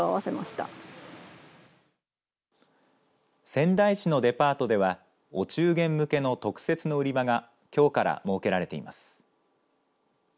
仙台市のデパートではお中元向けの特設の売り場がきょうから設けられています。